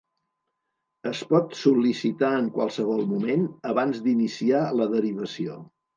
Es pot sol·licitar en qualsevol moment, abans d'iniciar la derivació.